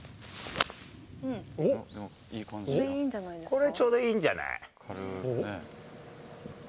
これ、ちょうどいいんじゃない。